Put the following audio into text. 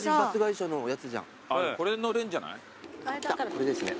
これですね。